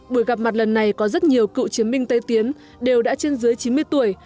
buổi gặp mặt lần này có rất nhiều cựu chiến binh tây tiến đều đã trên dưới chín mươi tuổi